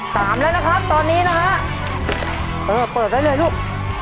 สามแล้วนะครับตอนนี้นะฮะเออเปิดได้เลยลูก